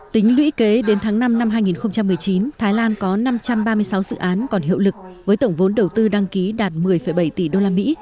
tính lũy kế đến tháng năm năm hai nghìn một mươi chín thái lan có năm trăm ba mươi sáu dự án còn hiệu lực với tổng vốn đầu tư đăng ký đạt một mươi bảy tỷ đô la mỹ